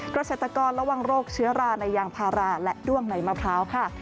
เกษตรกรระวังโรคเชื้อราในยางพาราและด้วงในมะพร้าวค่ะ